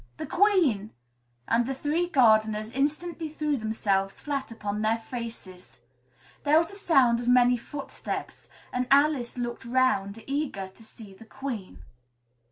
The Queen!" and the three gardeners instantly threw themselves flat upon their faces. There was a sound of many footsteps and Alice looked 'round, eager to see the Queen.